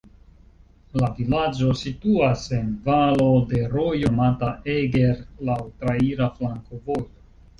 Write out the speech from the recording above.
La vilaĝo situas en valo de rojo nomata Eger, laŭ traira flankovojo.